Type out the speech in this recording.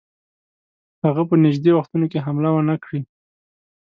هغه په نیژدې وختونو کې حمله ونه کړي.